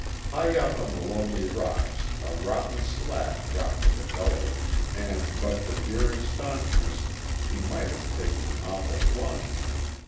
High up on the lonely rocks a rotten slab dropped to the gully, and, but for Deering's stanchness, he might have taken an awful plunge.